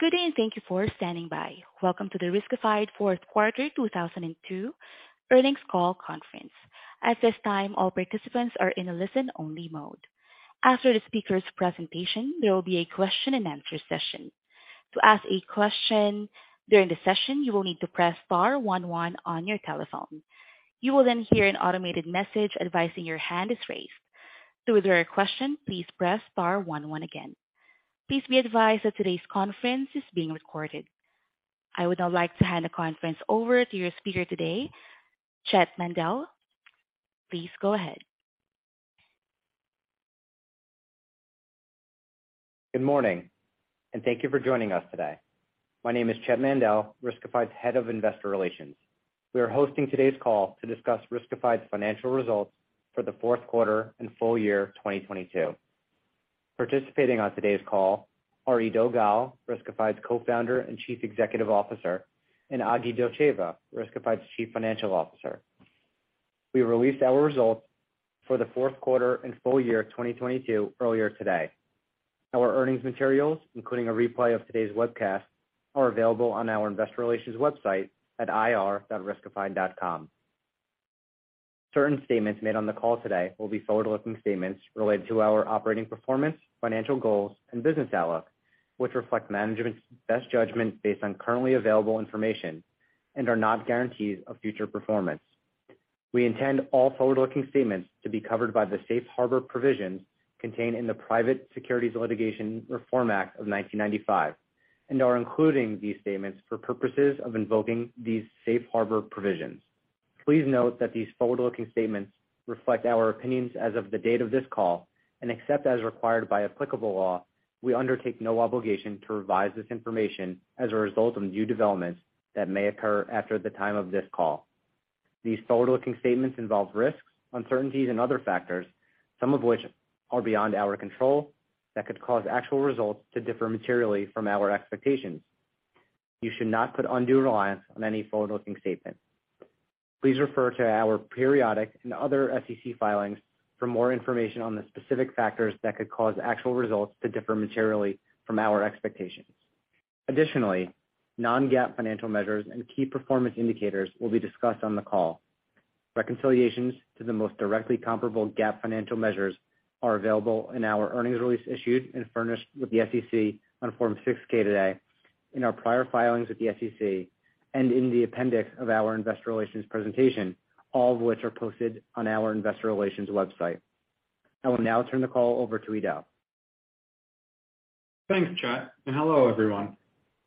Good day, and thank you for standing by. Welcome to the Riskified fourth quarter 2002 earnings call conference. At this time, all participants are in a listen-only mode. After the speaker's presentation, there will be a question-and-answer session. To ask a question during the session, you will need to press star one one on your telephone. You will then hear an automated message advising your hand is raised. To withdraw your question, please press star one one again. Please be advised that today's conference is being recorded. I would now like to hand the conference over to your speaker today, Chett Mandel. Please go ahead. Good morning. Thank you for joining us today. My name is Chett Mandel, Riskified's Head of Investor Relations. We are hosting today's call to discuss Riskified's financial results for the fourth quarter and full year 2022. Participating on today's call are Eido Gal, Riskified's Co-founder and Chief Executive Officer, and Aglika Dotcheva, Riskified's Chief Financial Officer. We released our results for the fourth quarter and full year 2022 earlier today. Our earnings materials, including a replay of today's webcast, are available on our investor relations website at ir.riskified.com. Certain statements made on the call today will be forward-looking statements related to our operating performance, financial goals, and business outlook, which reflect management's best judgment based on currently available information and are not guarantees of future performance. We intend all forward-looking statements to be covered by the Safe Harbor provisions contained in the Private Securities Litigation Reform Act of 1995 and are including these statements for purposes of invoking these Safe Harbor provisions. Please note that these forward-looking statements reflect our opinions as of the date of this call, and except as required by applicable law, we undertake no obligation to revise this information as a result of new developments that may occur after the time of this call. These forward-looking statements involve risks, uncertainties and other factors, some of which are beyond our control, that could cause actual results to differ materially from our expectations. You should not put undue reliance on any forward-looking statement. Please refer to our periodic and other SEC filings for more information on the specific factors that could cause actual results to differ materially from our expectations. Additionally, non-GAAP financial measures and key performance indicators will be discussed on the call. Reconciliations to the most directly comparable GAAP financial measures are available in our earnings release issued and furnished with the SEC on Form 6-K today, in our prior filings with the SEC, and in the appendix of our investor relations presentation, all of which are posted on our investor relations website. I will now turn the call over to Eido. Thanks, Chett. Hello, everyone.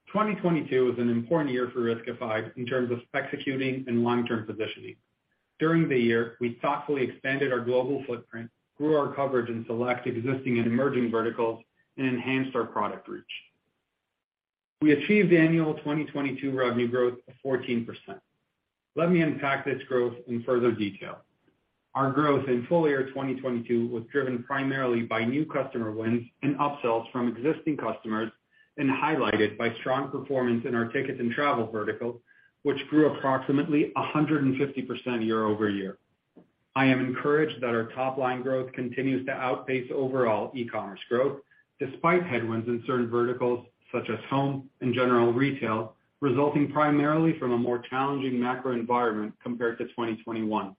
2022 was an important year for Riskified in terms of executing and long-term positioning. During the year, we thoughtfully expanded our global footprint, grew our coverage in select existing and emerging verticals, and enhanced our product reach. We achieved annual 2022 revenue growth of 14%. Let me unpack this growth in further detail. Our growth in full year 2022 was driven primarily by new customer wins and upsells from existing customers and highlighted by strong performance in our tickets and travel vertical, which grew approximately 150% year-over-year. I am encouraged that our top line growth continues to outpace overall e-commerce growth despite headwinds in certain verticals such as home and general retail, resulting primarily from a more challenging macro environment compared to 2021.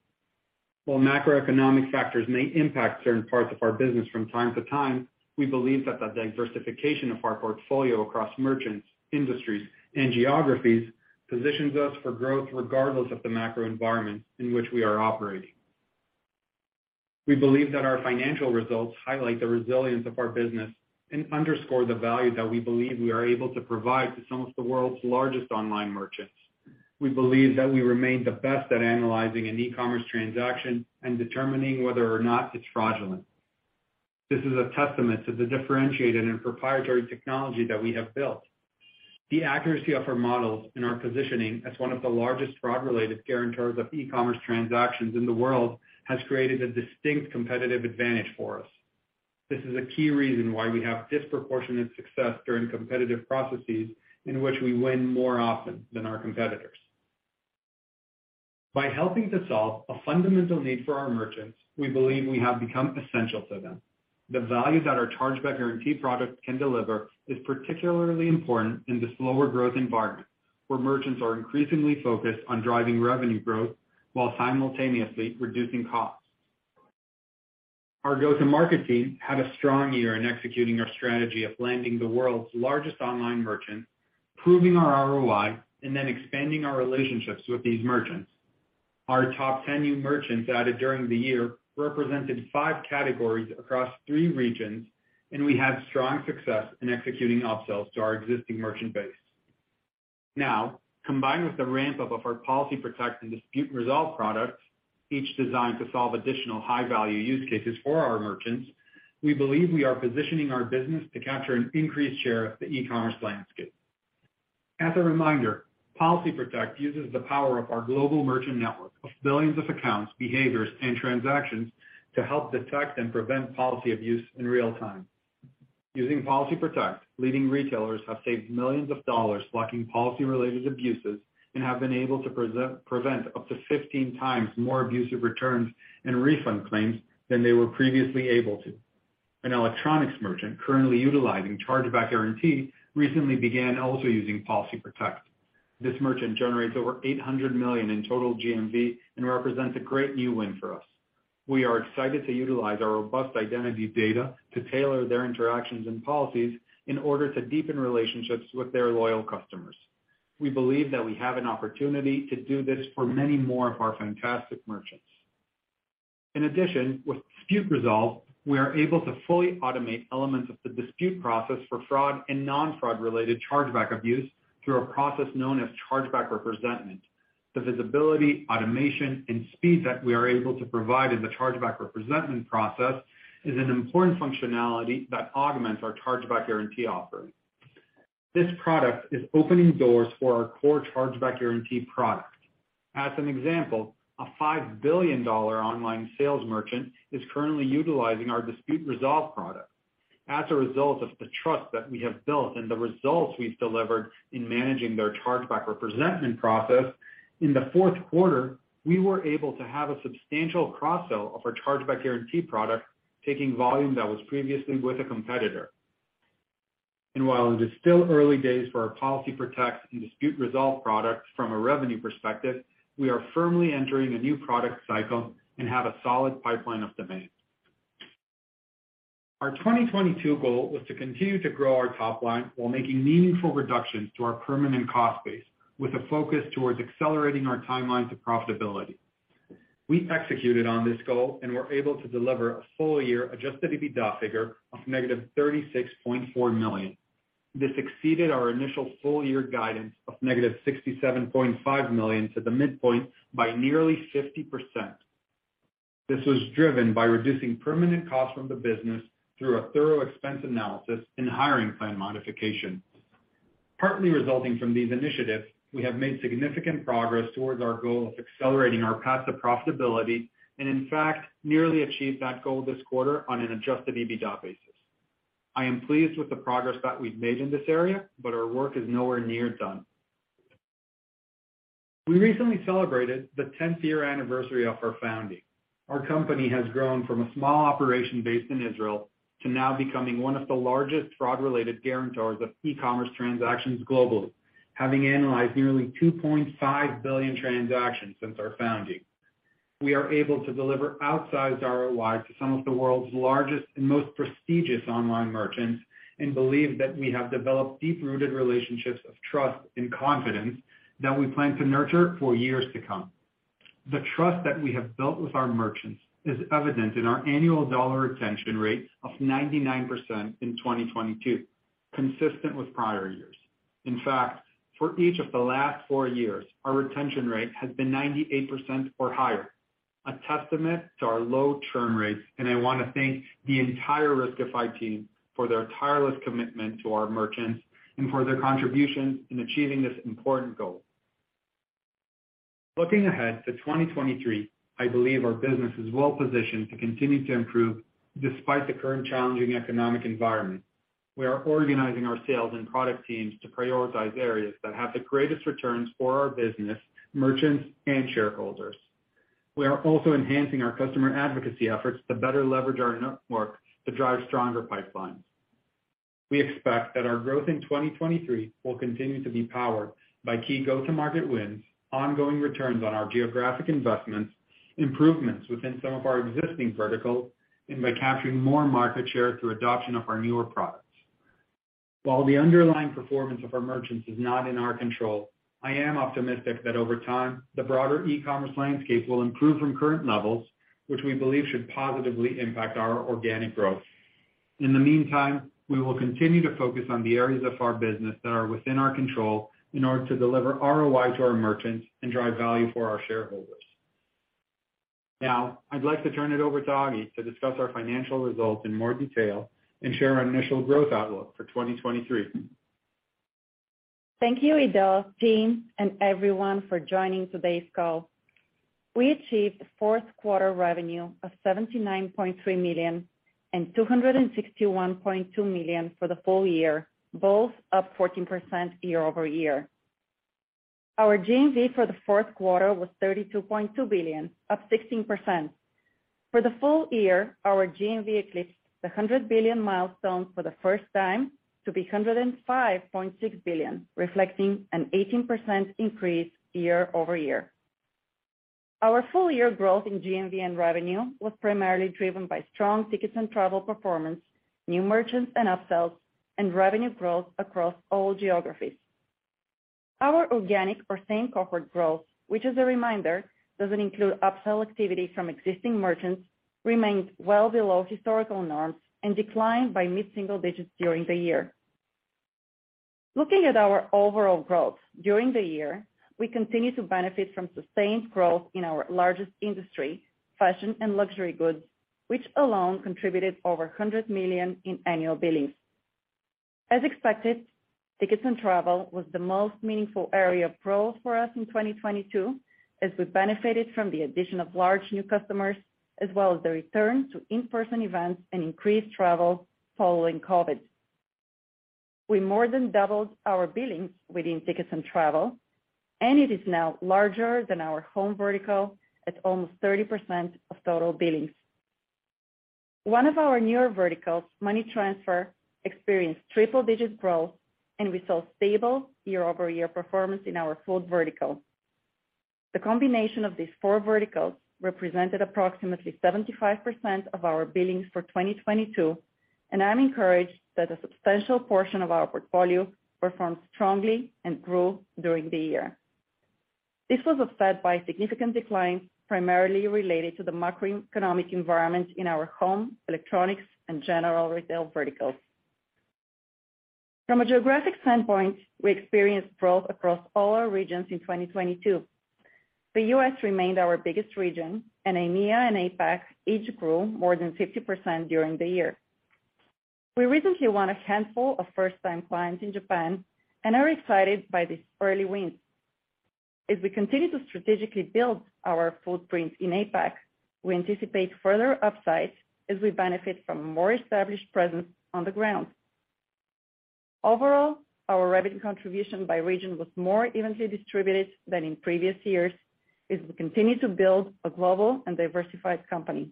While macroeconomic factors may impact certain parts of our business from time to time, we believe that the diversification of our portfolio across merchants, industries, and geographies positions us for growth regardless of the macro environment in which we are operating. We believe that our financial results highlight the resilience of our business and underscore the value that we believe we are able to provide to some of the world's largest online merchants. We believe that we remain the best at analyzing an e-commerce transaction and determining whether or not it's fraudulent. This is a testament to the differentiated and proprietary technology that we have built. The accuracy of our models and our positioning as one of the largest fraud-related guarantors of e-commerce transactions in the world has created a distinct competitive advantage for us. This is a key reason why we have disproportionate success during competitive processes in which we win more often than our competitors. By helping to solve a fundamental need for our merchants, we believe we have become essential to them. The value that our Chargeback Guarantee product can deliver is particularly important in this slower growth environment, where merchants are increasingly focused on driving revenue growth while simultaneously reducing costs. Our go-to-market team had a strong year in executing our strategy of landing the world's largest online merchants, proving our ROI, and then expanding our relationships with these merchants. Our top 10 new merchants added during the year represented five categories across three regions, and we had strong success in executing upsells to our existing merchant base. Combined with the ramp-up of our Policy Protect and Dispute Resolve products, each designed to solve additional high-value use cases for our merchants, we believe we are positioning our business to capture an increased share of the e-commerce landscape. As a reminder, Policy Protect uses the power of our global merchant network of billions of accounts, behaviors, and transactions to help detect and prevent policy abuse in real time. Using Policy Protect, leading retailers have saved millions of dollars blocking policy-related abuses and have been able to prevent up to 15x more abusive returns and refund claims than they were previously able to. An electronics merchant currently utilizing Chargeback Guarantee recently began also using Policy Protect. This merchant generates over $800 million in total GMV and represents a great new win for us. We are excited to utilize our robust identity data to tailor their interactions and policies in order to deepen relationships with their loyal customers. We believe that we have an opportunity to do this for many more of our fantastic merchants. In addition, with Dispute Resolve, we are able to fully automate elements of the dispute process for fraud and non-fraud related chargeback abuse through a process known as chargeback representment. The visibility, automation and speed that we are able to provide in the chargeback representment process is an important functionality that augments our Chargeback Guarantee offering. This product is opening doors for our core Chargeback Guarantee product. As an example, a $5 billion online sales merchant is currently utilizing our Dispute Resolve product. As a result of the trust that we have built and the results we've delivered in managing their chargeback representment process, in the fourth quarter, we were able to have a substantial cross-sell of our Chargeback Guarantee product, taking volume that was previously with a competitor. While it is still early days for our Policy Protect and Dispute Resolve products from a revenue perspective, we are firmly entering a new product cycle and have a solid pipeline of demand. Our 2022 goal was to continue to grow our top line while making meaningful reductions to our permanent cost base, with a focus towards accelerating our timeline to profitability. We executed on this goal and were able to deliver a full year adjusted EBITDA figure of negative $36.4 million. This exceeded our initial full year guidance of negative $67.5 million to the midpoint by nearly 50%. This was driven by reducing permanent costs from the business through a thorough expense analysis and hiring plan modification. Partly resulting from these initiatives, we have made significant progress towards our goal of accelerating our path to profitability and in fact nearly achieved that goal this quarter on an adjusted EBITDA basis. I am pleased with the progress that we've made in this area, but our work is nowhere near done. We recently celebrated the 10th year anniversary of our founding. Our company has grown from a small operation based in Israel to now becoming one of the largest fraud-related guarantors of e-commerce transactions globally, having analyzed nearly 2.5 billion transactions since our founding. We are able to deliver outsized ROI to some of the world's largest and most prestigious online merchants. We believe that we have developed deep-rooted relationships of trust and confidence that we plan to nurture for years to come. The trust that we have built with our merchants is evident in our annual Net Dollar Retention of 99% in 2022, consistent with prior years. In fact, for each of the last four years, our retention rate has been 98% or higher, a testament to our low churn rates. I want to thank the entire Riskified team for their tireless commitment to our merchants and for their contributions in achieving this important goal. Looking ahead to 2023, I believe our business is well positioned to continue to improve despite the current challenging economic environment. We are organizing our sales and product teams to prioritize areas that have the greatest returns for our business, merchants and shareholders. We are also enhancing our customer advocacy efforts to better leverage our network to drive stronger pipelines. We expect that our growth in 2023 will continue to be powered by key go-to-market wins, ongoing returns on our geographic investments, improvements within some of our existing verticals, and by capturing more market share through adoption of our newer products. While the underlying performance of our merchants is not in our control, I am optimistic that over time, the broader e-commerce landscape will improve from current levels which we believe should positively impact our organic growth. In the meantime, we will continue to focus on the areas of our business that are within our control in order to deliver ROI to our merchants and drive value for our shareholders. Now, I'd like to turn it over to Agi to discuss our financial results in more detail and share our initial growth outlook for 2023. Thank you, Eido, team and everyone for joining today's call. We achieved fourth quarter revenue of $79.3 million and $261.2 million for the full year, both up 14% year-over-year. Our GMV for the fourth quarter was $32.2 billion, up 16%. For the full year, our GMV eclipsed the $100 billion milestone for the first time to be $105.6 billion, reflecting an 18% increase year-over-year. Our full year growth in GMV and revenue was primarily driven by strong tickets and travel performance, new merchants and upsells, and revenue growth across all geographies. Our organic or same cohort growth, which as a reminder, doesn't include upsell activity from existing merchants, remained well below historical norms and declined by mid-single digits during the year. Looking at our overall growth during the year, we continue to benefit from sustained growth in our largest industry, fashion and luxury goods, which alone contributed over $100 million in annual billings. As expected, tickets and travel was the most meaningful area of growth for us in 2022, as we benefited from the addition of large new customers as well as the return to in-person events and increased travel following COVID. We more than doubled our billings within tickets and travel, and it is now larger than our home vertical at almost 30% of total billings. One of our newer verticals, money transfer, experienced triple-digit growth, and we saw stable year-over-year performance in our fourth vertical. The combination of these four verticals represented approximately 75% of our billings for 2022, and I'm encouraged that a substantial portion of our portfolio performed strongly and grew during the year. This was offset by a significant decline primarily related to the macroeconomic environment in our home, electronics, and general retail verticals. From a geographic standpoint, we experienced growth across all our regions in 2022. The U.S. remained our biggest region, and EMEA and APAC each grew more than 50% during the year. We recently won a handful of first-time clients in Japan and are excited by this early win. As we continue to strategically build our footprint in APAC, we anticipate further upside as we benefit from more established presence on the ground. Overall, our revenue contribution by region was more evenly distributed than in previous years as we continue to build a global and diversified company.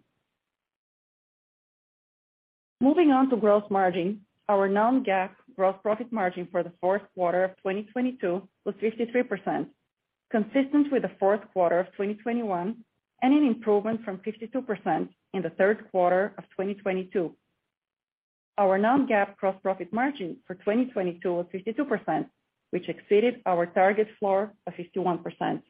Moving on to growth margin. Our non-GAAP gross profit margin for the fourth quarter of 2022 was 53%, consistent with the fourth quarter of 2021 and an improvement from 52% in the third quarter of 2022. Our non-GAAP gross profit margin for 2022 was 52%, which exceeded our target floor of 51%.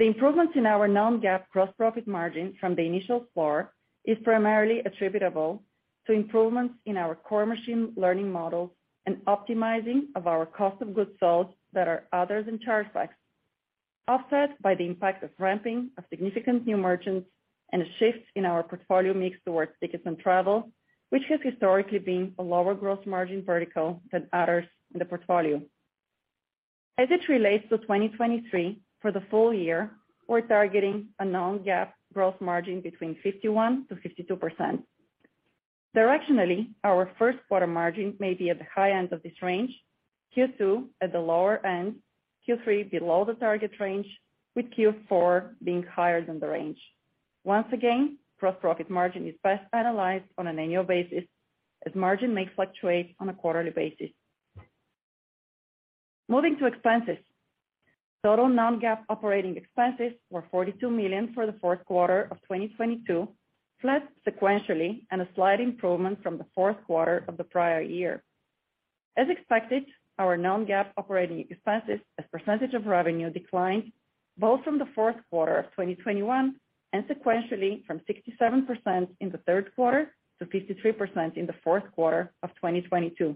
The improvements in our non-GAAP gross profit margin from the initial floor is primarily attributable to improvements in our core machine learning models and optimizing of our cost of goods sold that are others than chargebacks, offset by the impact of ramping of significant new merchants and a shift in our portfolio mix towards tickets and travel, which has historically been a lower gross margin vertical than others in the portfolio. As it relates to 2023, for the full year, we're targeting a non-GAAP gross margin between 51%-52%. Directionally, our first quarter margin may be at the high end of this range, Q-two at the lower end, Q3 below the target range, with Q-four being higher than the range. Once again, gross profit margin is best analyzed on an annual basis, as margin may fluctuate on a quarterly basis. Moving to expenses. Total non-GAAP operating expenses were $42 million for the fourth quarter of 2022, flat sequentially, and a slight improvement from the fourth quarter of the prior year. As expected, our non-GAAP operating expenses as a percentage of revenue declined, both from the fourth quarter of 2021 and sequentially from 67% in the third quarter to 53% in the fourth quarter of 2022,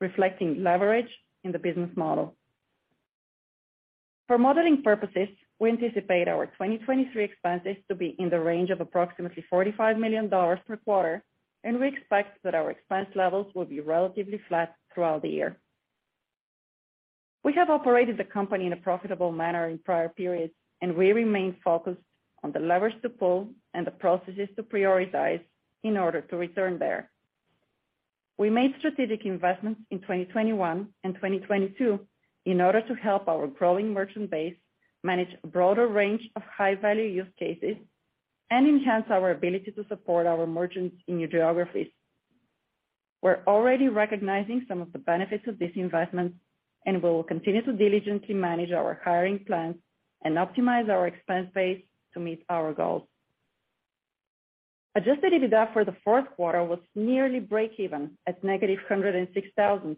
reflecting leverage in the business model. For modeling purposes, we anticipate our 2023 expenses to be in the range of approximately $45 million per quarter. We expect that our expense levels will be relatively flat throughout the year. We have operated the company in a profitable manner in prior periods, and we remain focused on the levers to pull and the processes to prioritize in order to return there. We made strategic investments in 2021 and 2022 in order to help our growing merchant base manage a broader range of high-value use cases and enhance our ability to support our merchants in new geographies. We're already recognizing some of the benefits of this investment. We will continue to diligently manage our hiring plans and optimize our expense base to meet our goals. Adjusted EBITDA for the fourth quarter was nearly break even at -$106,000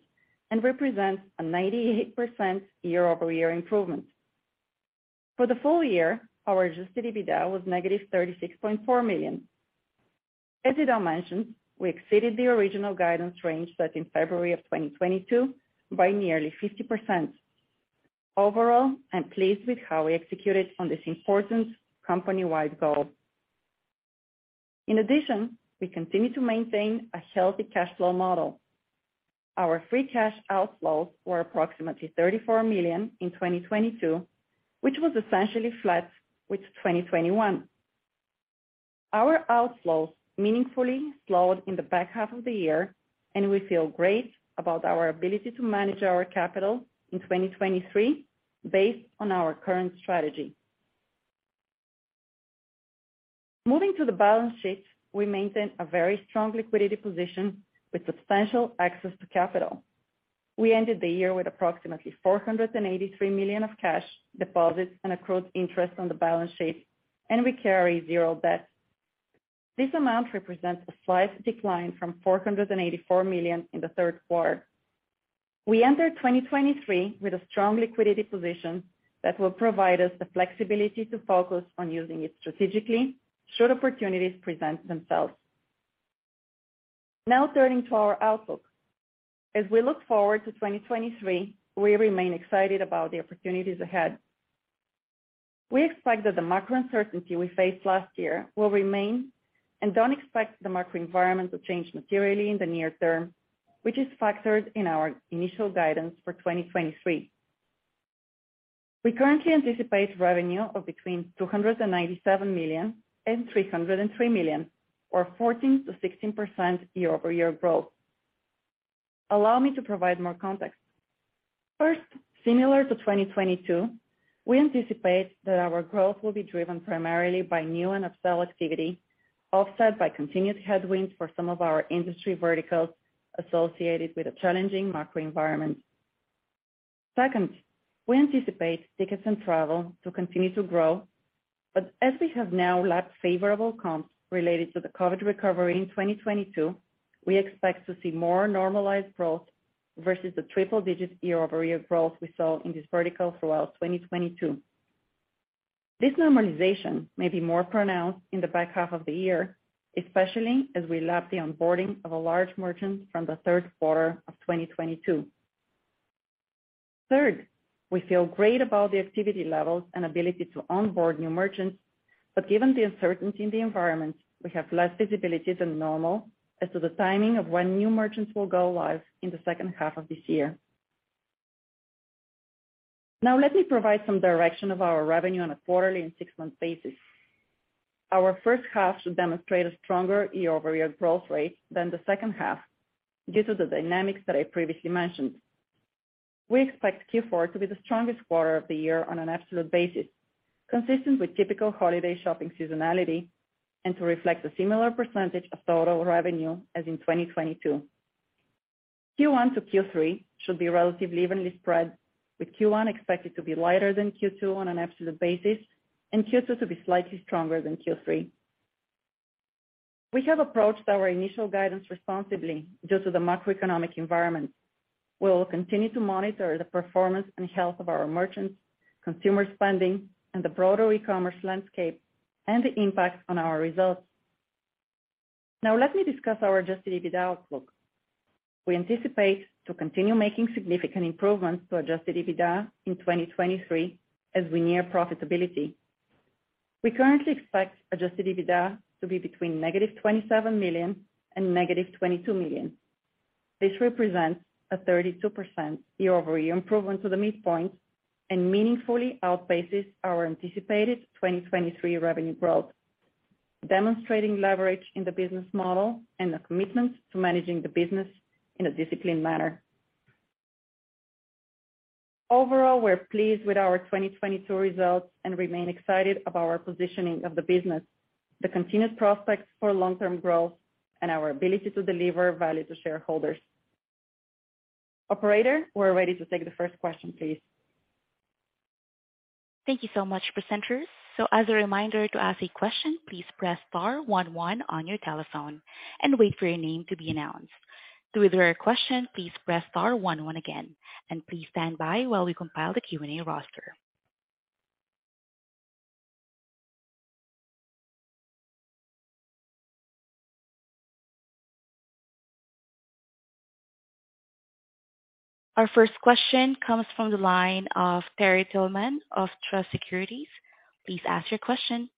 and represents a 98% year-over-year improvement. For the full year, our adjusted EBITDA was -$36.4 million. As Eido mentioned, we exceeded the original guidance range set in February of 2022 by nearly 50%. Overall, I'm pleased with how we executed on this important company-wide goal. In addition, we continue to maintain a healthy cash flow model. Our free cash outflows were approximately $34 million in 2022, which was essentially flat with 2021. Our outflows meaningfully slowed in the back half of the year, and we feel great about our ability to manage our capital in 2023 based on our current strategy. Moving to the balance sheet, we maintain a very strong liquidity position with substantial access to capital. We ended the year with approximately $483 million of cash deposits and accrued interest on the balance sheet, and we carry zero debt. This amount represents a slight decline from $484 million in the third quarter. We enter 2023 with a strong liquidity position that will provide us the flexibility to focus on using it strategically should opportunities present themselves. Turning to our outlook. As we look forward to 2023, we remain excited about the opportunities ahead. We expect that the macro uncertainty we faced last year will remain and don't expect the macro environment to change materially in the near term, which is factored in our initial guidance for 2023. We currently anticipate revenue of between $297 million and $303 million, or 14%-16% year-over-year growth. Allow me to provide more context. Similar to 2022, we anticipate that our growth will be driven primarily by new and upsell activity, offset by continued headwinds for some of our industry verticals associated with a challenging macro environment. We anticipate tickets and travel to continue to grow. As we have now lapped favorable comps related to the COVID recovery in 2022, we expect to see more normalized growth versus the triple-digit year-over-year growth we saw in this vertical throughout 2022. This normalization may be more pronounced in the back half of the year, especially as we lap the onboarding of a large merchant from the third quarter of 2022. Third, we feel great about the activity levels and ability to onboard new merchants, but given the uncertainty in the environment, we have less visibility than normal as to the timing of when new merchants will go live in the second half of this year. Now, let me provide some direction of our revenue on a quarterly and six month basis. Our first half should demonstrate a stronger year-over-year growth rate than the second half due to the dynamics that I previously mentioned. We expect Q4 to be the strongest quarter of the year on an absolute basis, consistent with typical holiday shopping seasonality, and to reflect a similar percentage of total revenue as in 2022. Q1 to Q3 should be relatively evenly spread, with Q1 expected to be lighter than Q2 on an absolute basis and Q2 to be slightly stronger than Q3. We have approached our initial guidance responsibly due to the macroeconomic environment. We will continue to monitor the performance and health of our merchants, consumer spending, and the broader e-commerce landscape and the impact on our results. Let me discuss our adjusted EBITDA outlook. We anticipate to continue making significant improvements to adjusted EBITDA in 2023 as we near profitability. We currently expect adjusted EBITDA to be between negative $27 million and negative $22 million. This represents a 32% year-over-year improvement to the midpoint and meaningfully outpaces our anticipated 2023 revenue growth, demonstrating leverage in the business model and a commitment to managing the business in a disciplined manner. We're pleased with our 2022 results and remain excited about our positioning of the business, the continued prospects for long-term growth, and our ability to deliver value to shareholders. Operator, we're ready to take the first question, please. Thank you so much, presenters. As a reminder, to ask a question, please press star one one on your telephone and wait for your name to be announced. To withdraw your question, please press star one one again. Please stand by while we compile the Q&A roster. Our first question comes from the line of Terry Tillman of Truist Securities. Please ask your question.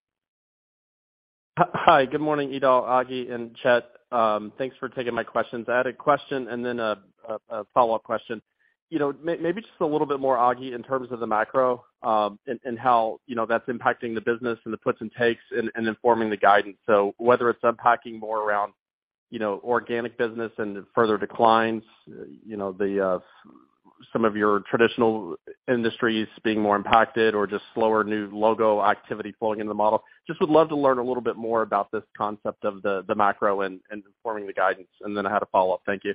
Hi. Good morning, Eido, Agi, and Chett. Thanks for taking my questions. I had a question and then a follow-up question. You know, maybe just a little bit more, Agi, in terms of the macro, and how, you know, that's impacting the business and the puts and takes and informing the guidance. Whether it's unpacking more around, you know, organic business and further declines, you know, the some of your traditional industries being more impacted or just slower new logo activity flowing into the model. Just would love to learn a little bit more about this concept of the macro and informing the guidance. Then I had a follow-up. Thank you.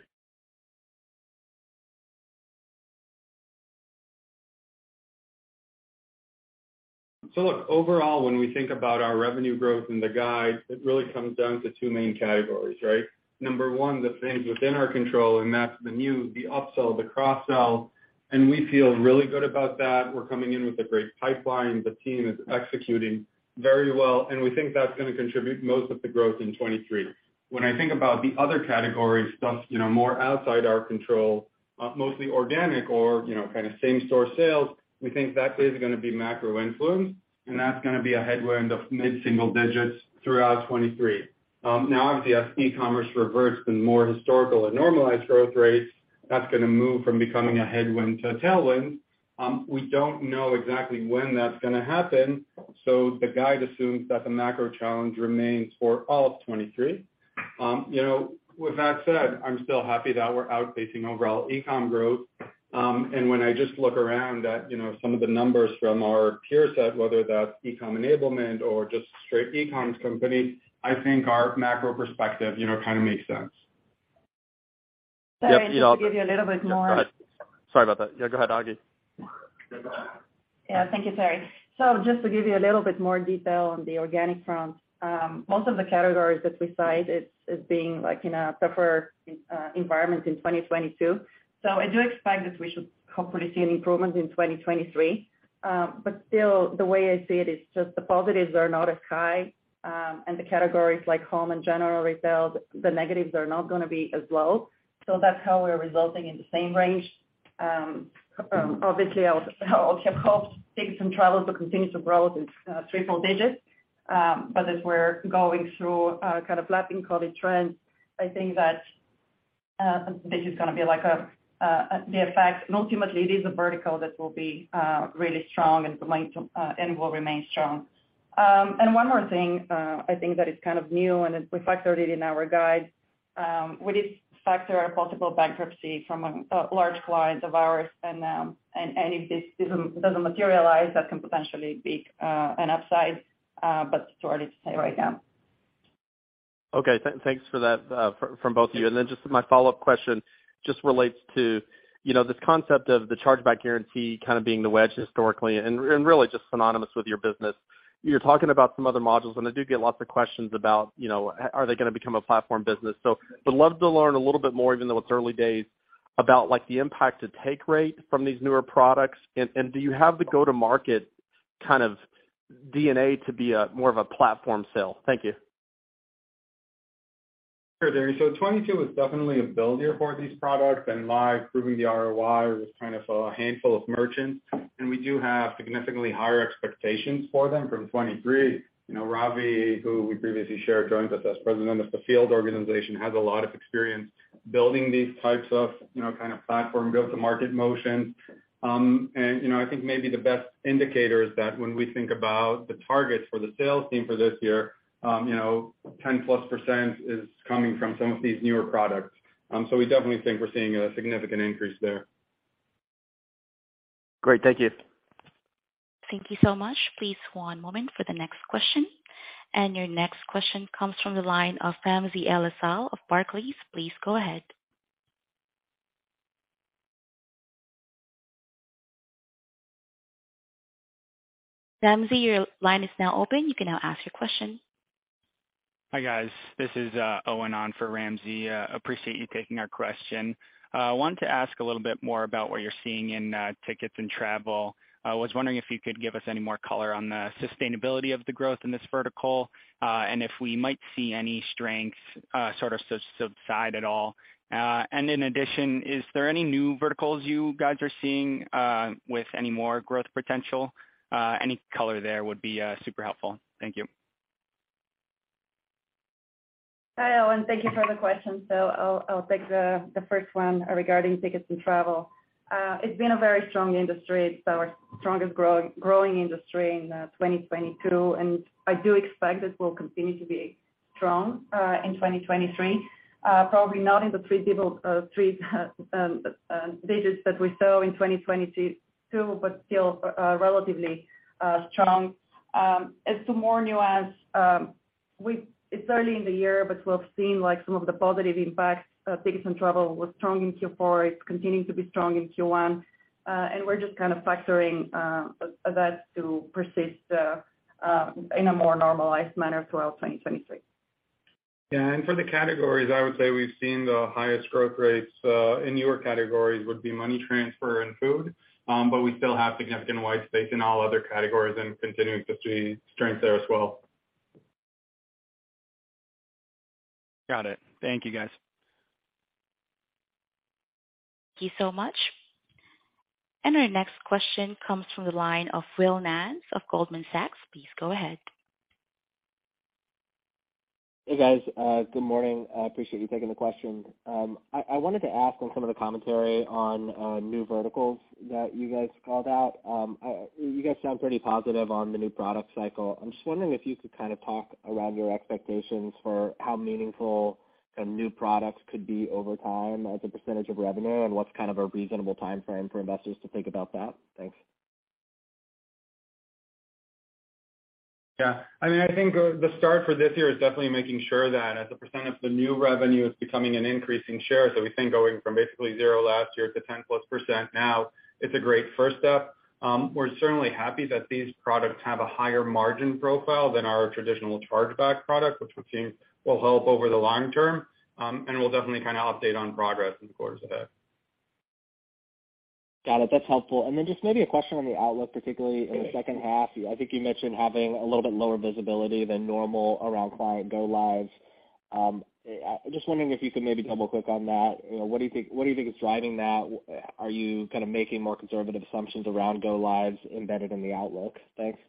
Look, overall, when we think about our revenue growth and the guide, it really comes down to two main categories, right? Number one, the things within our control, and that's the new, the upsell, the cross-sell. We feel really good about that. We're coming in with a great pipeline. The team is executing very well, and we think that's going to contribute most of the growth in 2023. When I think about the other categories, stuff, you know, more outside our control, mostly organic or, you know, kind of same store sales, we think that is going to be macro influenced, and that's going to be a headwind of mid-single digits throughout 2023. Now obviously, as e-commerce reverts to more historical and normalized growth rates, that's going to move from becoming a headwind to a tailwind. We don't know exactly when that's gonna happen, so the guide assumes that the macro challenge remains for all of 2023. You know, with that said, I'm still happy that we're outpacing overall e-comm growth. When I just look around at, you know, some of the numbers from our peer set, whether that's e-comm enablement or just straight e-commerce companies, I think our macro perspective, you know, kind of makes sense. Yep, Eido. Sorry, just to give you a little bit more- Yeah. Go ahead. Sorry about that. Yeah, go ahead, Agi. Yeah. Thank you, Terry. Just to give you a little bit more detail on the organic front, most of the categories that we cite is being like in a tougher environment in 2022. I do expect that we should hopefully see an improvement in 2023. Still, the way I see it is just the positives are not as high, and the categories like home and general retail, the negatives are not gonna be as low. That's how we're resulting in the same range. Obviously I would have hoped tickets and travel to continue to grow at triple digits. As we're going through kind of lapping COVID trends, I think that this is gonna be like a the effect. Ultimately, it is a vertical that will be really strong and remains and will remain strong. One more thing, I think that is kind of new and it reflected it in our guide. We did factor a possible bankruptcy from a large client of ours. If this doesn't materialize, that can potentially be an upside. But it's too early to say right now. Okay. Thanks for that, from both of you. Just my follow-up question just relates to, you know, this concept of the Chargeback Guarantee kind of being the wedge historically and really just synonymous with your business. You're talking about some other modules, and I do get lots of questions about, you know, are they gonna become a platform business? Would love to learn a little bit more, even though it's early days, about like the impact to take rate from these newer products. And, and do you have the go-to-market kind of DNA to be a more of a platform sale? Thank you. Sure, Terry. 2022 was definitely a build year for these products, and live proving the ROI was kind of a handful of merchants. We do have significantly higher expectations for them from 2023. You know, Ravi, who we previously shared, joins us as President of the field organization, has a lot of experience building these types of, you know, kind of platform go-to-market motions. You know, I think maybe the best indicator is that when we think about the targets for the sales team for this year, you know, 10+% is coming from some of these newer products. We definitely think we're seeing a significant increase there. Great. Thank you. Thank you so much. Please one moment for the next question. Your next question comes from the line of Ramsey El-Assal of Barclays. Please go ahead. Ramzi, your line is now open. You can now ask your question. Hi, guys. This is Owen on for Ramzi. Appreciate you taking our question. Wanted to ask a little bit more about what you're seeing in tickets and travel. I was wondering if you could give us any more color on the sustainability of the growth in this vertical, and if we might see any strength sort of subside at all. In addition, is there any new verticals you guys are seeing with any more growth potential? Any color there would be super helpful. Thank you. Hi, Owen. Thank you for the question. I'll take the first one regarding tickets and travel. It's been a very strong industry. It's our strongest growing industry in 2022, and I do expect it will continue to be strong in 2023. Probably not in the three digits that we saw in 2022, but still relatively strong. As to more nuance, it's early in the year, but we've seen like some of the positive impacts. Tickets and travel was strong in Q4. It's continuing to be strong in Q1. And we're just kind of factoring that to persist in a more normalized manner throughout 2023. Yeah. For the categories, I would say we've seen the highest growth rates in newer categories would be money transfer and food. We still have significant wide space in all other categories and continuing to see strength there as well. Got it. Thank you, guys. Thank you so much. Our next question comes from the line of Will Nance of Goldman Sachs. Please go ahead. Hey, guys. Good morning. I appreciate you taking the question. I wanted to ask on some of the commentary on new verticals that you guys called out. You guys sound pretty positive on the new product cycle. I'm just wondering if you could kind of talk around your expectations for how meaningful the new products could be over time as a percentage of revenue, and what's kind of a reasonable timeframe for investors to think about that. Thanks. Yeah. I mean, I think the start for this year is definitely making sure that as a percent of the new revenue is becoming an increasing share. We think going from basically zero last year to 10+% now, it's a great first step. We're certainly happy that these products have a higher margin profile than our traditional Chargeback Guarantee product, which we think will help over the long term. We'll definitely kind of update on progress in the quarters ahead. Got it. That's helpful. Just maybe a question on the outlook, particularly in the second half. I think you mentioned having a little bit lower visibility than normal around client go lives. just wondering if you could maybe double-click on that. You know, what do you think is driving that? Are you kind of making more conservative assumptions around go lives embedded in the outlook? Thanks.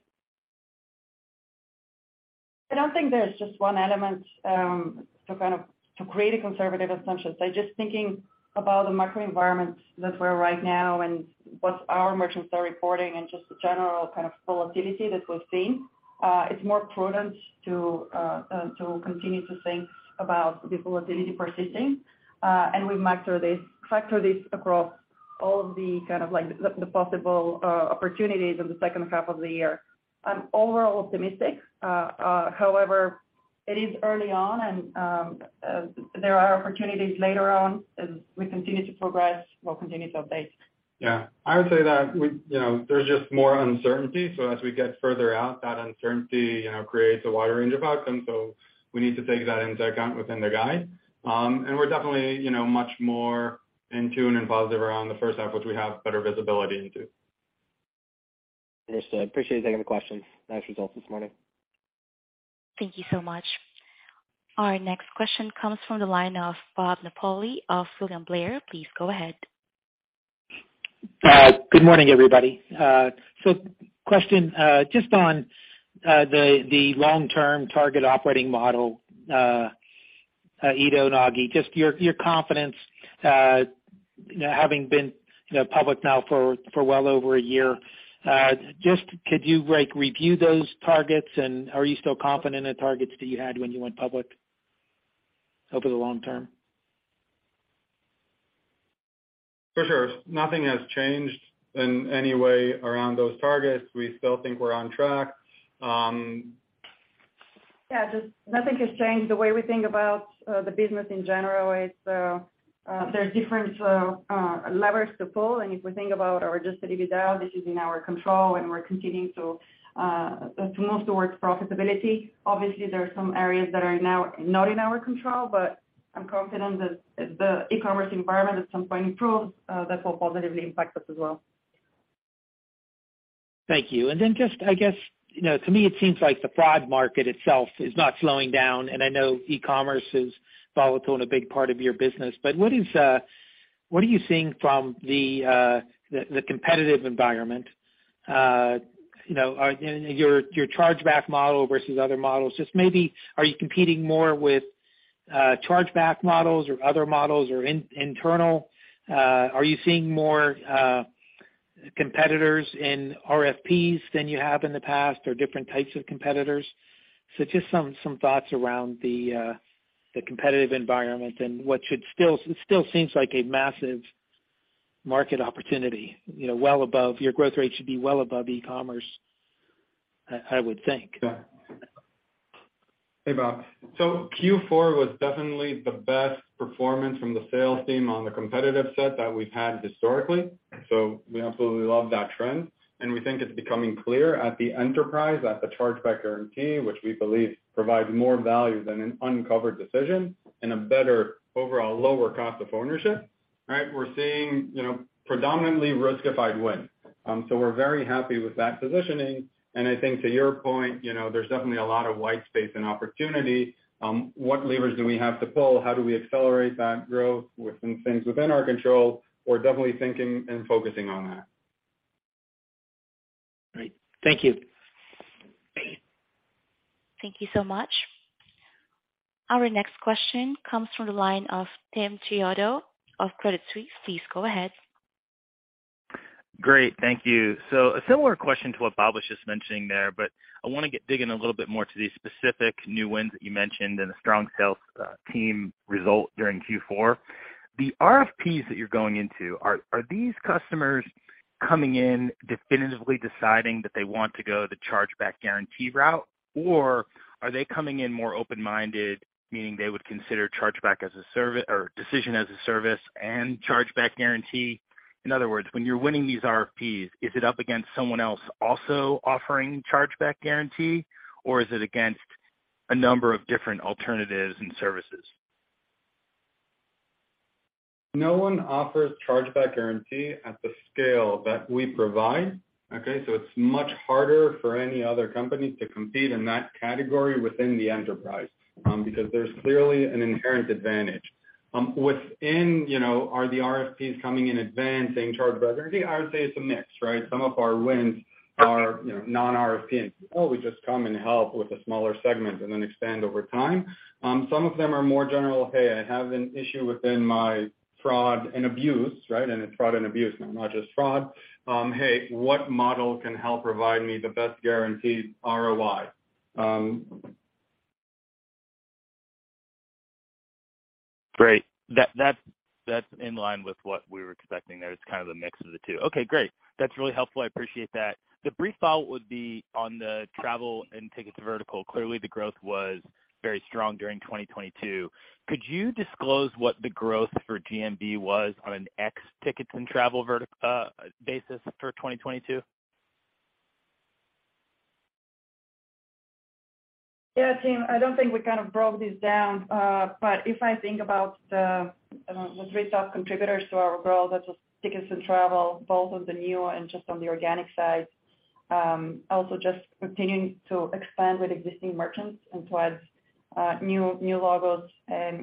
I don't think there's just one element to create a conservative assumption. Just thinking about the macro environment that we're right now and what our merchants are reporting and just the general kind of volatility that we're seeing, it's more prudent to continue to think about the volatility persisting. We factor this across all of the kind of like the possible opportunities in the second half of the year. I'm overall optimistic. However, it is early on and there are opportunities later on as we continue to progress. We'll continue to update. Yeah. I would say that we, you know, there's just more uncertainty, as we get further out, that uncertainty, you know, creates a wider range of outcomes. We need to take that into account within the guide. We're definitely, you know, much more in tune and positive around the first half, which we have better visibility into. Understood. Appreciate you taking the question. Nice results this morning. Thank you so much. Our next question comes from the line of Robert Napoli of William Blair. Please go ahead. Good morning, everybody. Question, just on the long-term target operating model, Eido and Agi, just your confidence, you know, having been, you know, public now for well over a year, just could you like review those targets and are you still confident in targets that you had when you went public over the long term? For sure. Nothing has changed in any way around those targets. We still think we're on track. Yeah, just nothing has changed the way we think about the business in general. It's, there are different levers to pull. If we think about our adjusted EBITDA, this is in our control and we're continuing to move towards profitability. Obviously, there are some areas that are now not in our control. I'm confident that if the e-commerce environment at some point improves, that will positively impact us as well. Thank you. Then just I guess, you know, to me it seems like the fraud market itself is not slowing down, and I know e-commerce is volatile and a big part of your business. What is what are you seeing from the competitive environment? You know, Your chargeback model versus other models, just maybe are you competing more with chargeback models or other models or internal? Are you seeing more competitors in RFPs than you have in the past or different types of competitors? Just some thoughts around the competitive environment and It still seems like a massive market opportunity, you know, well above, your growth rate should be well above e-commerce, I would think. Yeah. Hey, Bob. Q4 was definitely the best performance from the sales team on the competitive set that we've had historically, so we absolutely love that trend. We think it's becoming clear at the enterprise, at the Chargeback Guarantee, which we believe provides more value than an uncovered decision and a better overall lower cost of ownership, right? We're seeing, you know, predominantly Riskified win. So we're very happy with that positioning. I think to your point, you know, there's definitely a lot of white space and opportunity. What levers do we have to pull? How do we accelerate that growth within things within our control? We're definitely thinking and focusing on that. Great. Thank you. Thank you so much. Our next question comes from the line of Timothy Chiodo of Credit Suisse. Please go ahead. Great. Thank you. A similar question to what Bob was just mentioning there, I wanna dig in a little bit more to the specific new wins that you mentioned and the strong sales team result during Q4. The RFPs that you're going into, are these customers coming in definitively deciding that they want to go the Chargeback Guarantee route, or are they coming in more open-minded, meaning they would consider Decision as a Service and Chargeback Guarantee? In other words, when you're winning these RFPs, is it up against someone else also offering Chargeback Guarantee, or is it against a number of different alternatives and services? No one offers Chargeback Guarantee at the scale that we provide, okay? It's much harder for any other company to compete in that category within the enterprise, because there's clearly an inherent advantage. Within, you know, are the RFPs coming in advance saying Chargeback Guarantee? I would say it's a mix, right? Some of our wins are, you know, non-RFP. We just come and help with a smaller segment and then expand over time. Some of them are more general, "Hey, I have an issue within my fraud and abuse," right? It's fraud and abuse, not just fraud. "Hey, what model can help provide me the best guaranteed ROI? Great. That's in line with what we were expecting there. It's kind of a mix of the two. Okay, great. That's really helpful, I appreciate that. The brief follow-up would be on the travel and tickets vertical. Clearly, the growth was very strong during 2022. Could you disclose what the growth for GMV was on an ex tickets and travel basis for 2022? Yeah, Tim. I don't think we kind of broke this down, but if I think about the three top contributors to our growth, that's just tickets and travel, both on the new and just on the organic side, also just continuing to expand with existing merchants and to add new logos.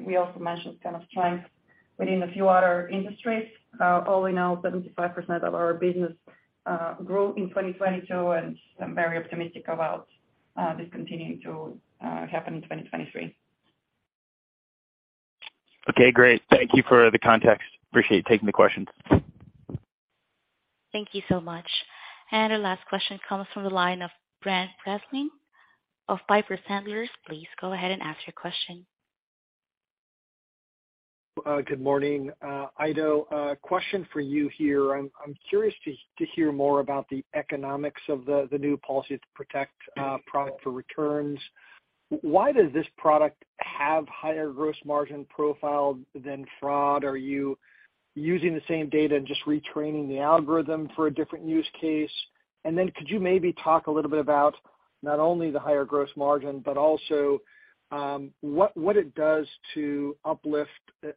We also mentioned kind of strength within a few other industries. All in all, 75% of our business grew in 2022, and I'm very optimistic about this continuing to happen in 2023. Okay, great. Thank you for the context. Appreciate you taking the question. Thank you so much. Our last question comes from the line of Brent Bracelin of Piper Sandler. Please go ahead and ask your question. Good morning. Eido, a question for you here. I'm curious to hear more about the economics of the new Policy Protect product for returns. Why does this product have higher gross margin profile than fraud? Are you using the same data and just retraining the algorithm for a different use case? Could you maybe talk a little bit about not only the higher gross margin, but also, what it does to uplift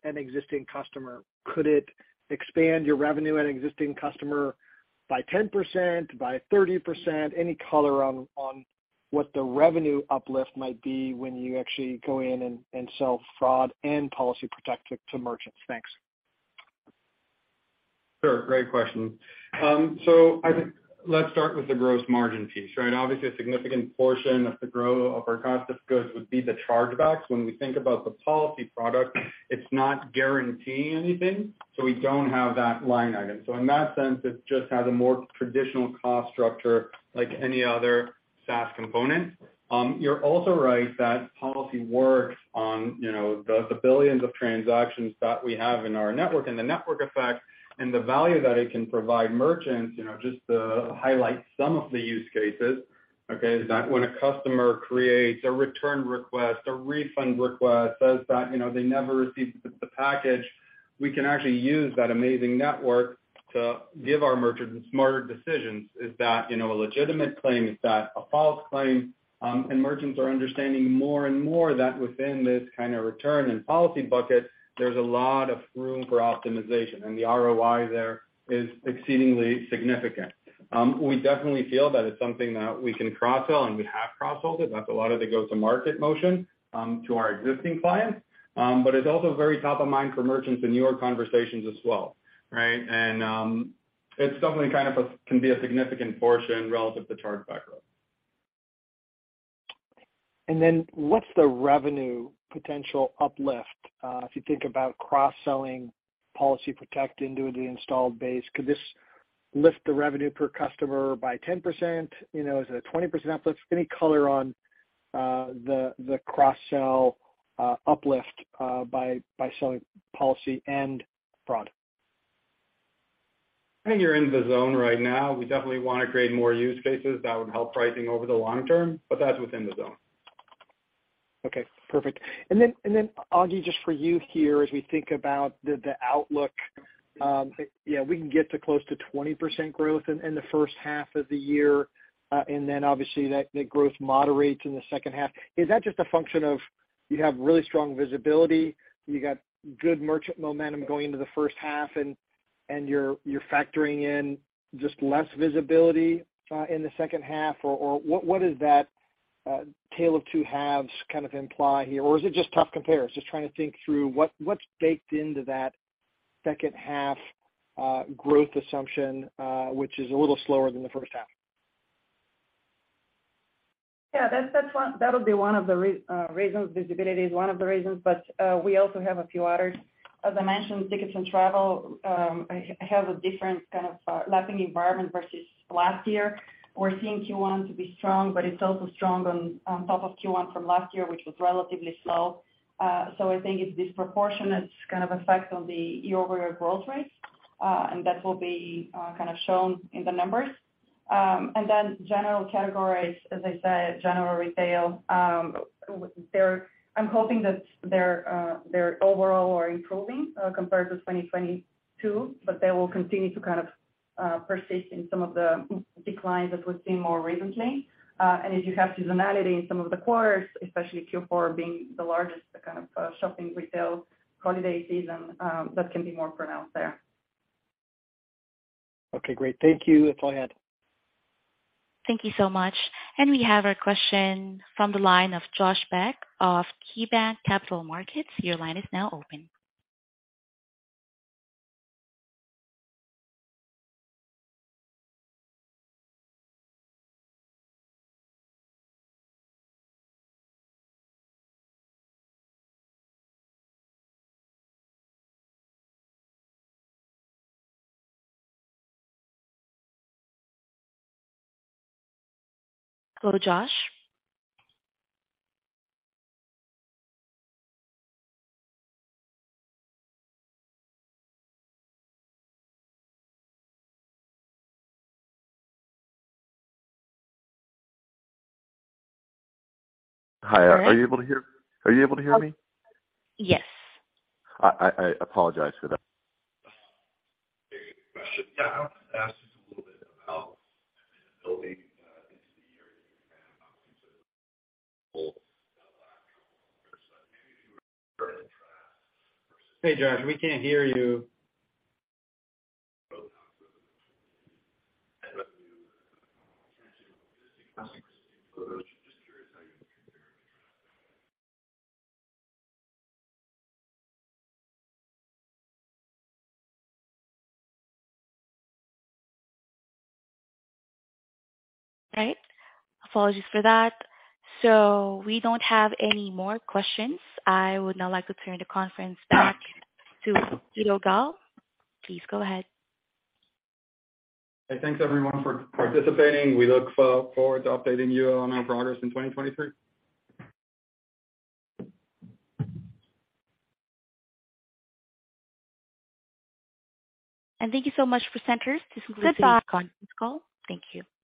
an existing customer? Could it expand your revenue and existing customer by 10%, by 30%? Any color on what the revenue uplift might be when you actually go in and sell fraud and Policy Protect to merchants? Thanks. Sure. Great question. I think let's start with the gross margin piece, right? Obviously, a significant portion of the cost of goods would be the chargebacks. When we think about the Policy Protect, it's not guaranteeing anything, so we don't have that line item. In that sense, it just has a more traditional cost structure like any other SaaS component. You're also right that Policy Protect works on, you know, the billions of transactions that we have in our network and the network effect and the value that it can provide merchants, you know, just to highlight some of the use cases, okay, is that when a customer creates a return request, a refund request, says that, you know, they never received the package, we can actually use that amazing network to give our merchants smarter decisions. Is that, you know, a legitimate claim? Is that a false claim? Merchants are understanding more and more that within this kinda return and policy bucket, there's a lot of room for optimization, and the ROI there is exceedingly significant. We definitely feel that it's something that we can cross-sell, and we have cross-sold it. That's a lot of the go-to-market motion to our existing clients. It's also very top of mind for merchants in newer conversations as well, right? It's definitely kind of a can be a significant portion relative to chargeback growth. What's the revenue potential uplift, if you think about cross-selling Policy Protect into the installed base? Could this lift the revenue per customer by 10%? You know, is it a 20% uplift? Any color on the cross-sell uplift by selling Policy and fraud? I think you're in the zone right now. We definitely wanna create more use cases that would help pricing over the long term. That's within the zone. Perfect. Then, Agi, just for you here, as we think about the outlook, yeah, we can get to close to 20% growth in the first half of the year, then obviously that growth moderates in the second half. Is that just a function of you have really strong visibility, you got good merchant momentum going into the first half, and you're factoring in just less visibility in the second half? Or what does that tale of two halves kind of imply here? Or is it just tough compares? Just trying to think through what's baked into that second half growth assumption, which is a little slower than the first half. Yeah, that's, that would be one of the reasons. Visibility is one of the reasons, but we also have a few others. As I mentioned, tickets and travel have a different kind of lapping environment versus last year. We're seeing Q1 to be strong, but it's also strong on top of Q1 from last year, which was relatively slow. I think it's disproportionate kind of effect on the year-over-year growth rates, and that will be kind of shown in the numbers. General categories, as I said, general retail, I'm hoping that their overall are improving compared to 2022, but they will continue to kind of persist in some of the declines that we've seen more recently. As you have seasonality in some of the quarters, especially Q4 being the largest kind of, shopping, retail holiday season, that can be more pronounced there. Okay, great. Thank you. If I had. Thank you so much. We have a question from the line of Josh Beck of KeyBanc Capital Markets. Your line is now open. Hello, Josh? Hi. Are you able to hear me? Yes. I apologize for that. Hey, Josh, we can't hear you. Right. Apologies for that. We don't have any more questions. I would now like to turn the conference back to Eido Gal. Please go ahead. Hey, thanks everyone for participating. We look forward to updating you on our progress in 2023. Thank you so much, presenters. This concludes today's conference call. Thank you.